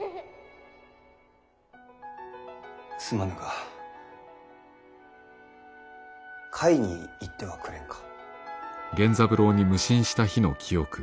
すまぬが甲斐に行ってはくれんか？